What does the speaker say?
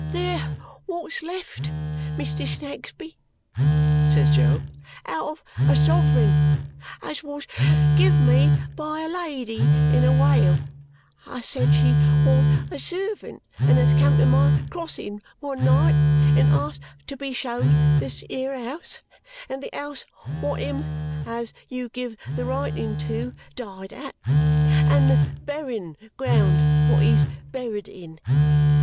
"They're wot's left, Mr. Snagsby," says Jo, "out of a sov ring as wos give me by a lady in a wale as sed she wos a servant and as come to my crossin one night and asked to be showd this 'ere ouse and the ouse wot him as you giv the writin to died at, and the berrin ground wot he's berrid in.